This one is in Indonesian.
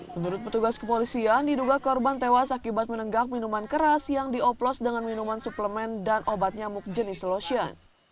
menurut petugas kepolisian diduga korban tewas akibat menenggak minuman keras yang dioplos dengan minuman suplemen dan obat nyamuk jenis lotion